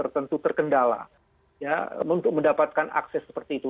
tentu terkendala untuk mendapatkan akses seperti itu